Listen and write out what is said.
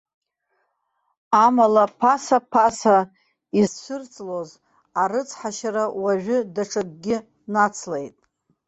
Амала ԥаса-ԥаса изцәырҵлоз арыцҳашьара уажәы даҽакгьы нацлеит.